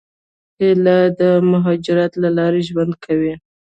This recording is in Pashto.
هیلۍ د مهاجرت له لارې ژوند کوي